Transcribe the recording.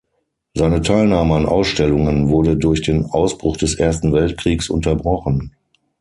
Seine Teilnahme an Ausstellungen wurde durch den Ausbruch des Ersten Weltkriegs unterbrochen.